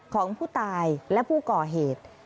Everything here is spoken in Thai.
ของผู้ตายและผู้ก่อเหตุ